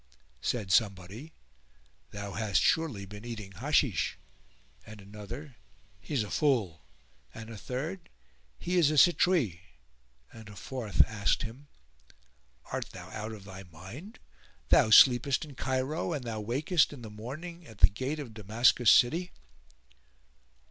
Said somebody, "Thou hast surely been eating Hashish," [FN#435] and another, "He is a fool;" and a third, "He is a citrouille;" and a fourth asked him, "Art thou out of thy mind? thou sleepest in Cairo and thou wakest in the morning at the gate of Damascus city!"